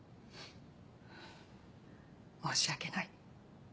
申し訳ない。